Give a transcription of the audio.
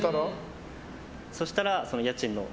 そうしたら？